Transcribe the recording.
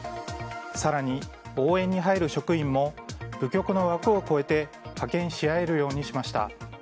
更に、応援に入る職員も部局の枠を越えて派遣し合えるようにしました。